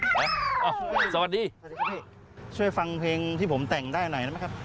ครับครับสวัสดีสวัสดีครับพี่ช่วยฟังเพลงที่ผมแต่งได้หน่อยนะครับ